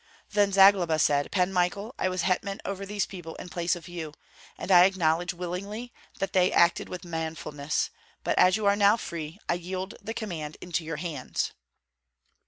Then Zagloba said, "Pan Michael, I was hetman over these people in place of you, and I acknowledge willingly that they acted with manfulness; but as you are now free, I yield the command into your hands."